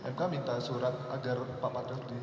mk minta surat agar pak patrialis tuh